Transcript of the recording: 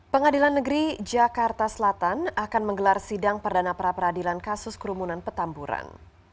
pengadilan negeri jakarta selatan akan menggelar sidang perdana pra peradilan kasus kerumunan petamburan